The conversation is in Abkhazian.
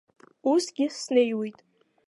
Усгьы снеиуеит.